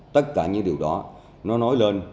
tất cả những điều đó nó nói lên